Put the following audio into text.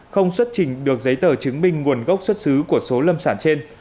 không xuất trình được giấy tờ chứng minh nguồn gốc xuất xứ của số lâm sản trên